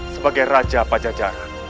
sebagai raja pajajaran